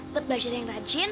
buat belajar yang rajin